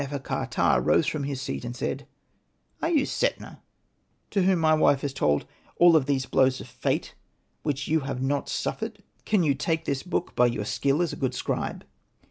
nefer.ka.ptah rose from his seat and said, '' Are you Setna, to whom SETNA DEMANDING THE ROLL, my wife has told of all these blows of fate, which you have not suffered ? Can you take this book by your skill as a good scribe?